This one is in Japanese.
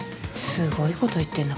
すごいこと言ってんな